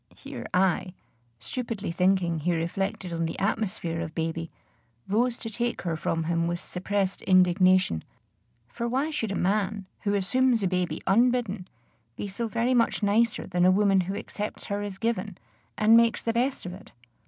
Here I, stupidly thinking he reflected on the atmosphere of baby, rose to take her from him with suppressed indignation; for why should a man, who assumes a baby unbidden, be so very much nicer than a woman who accepts her as given, and makes the best of it?